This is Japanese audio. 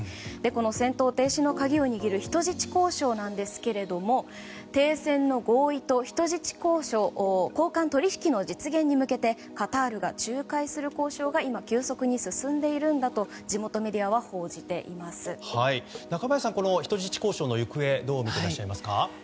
戦闘停止の鍵を握る人質交渉なんですが停戦の合意と人質交換取り引きの実現に向けてカタールが仲介する交渉が今、急速に進んでいると中林さん、人質交渉の行方どう見ていらっしゃいますか？